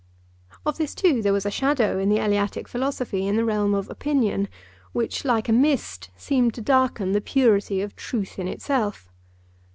Of this too there was a shadow in the Eleatic philosophy in the realm of opinion, which, like a mist, seemed to darken the purity of truth in itself.